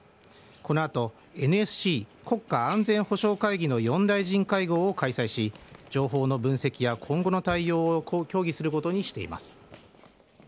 この後、ＮＳＣ＝国家安全保障会議の４大臣会合を開催し情報の分析や今後の対応を協議することにしています。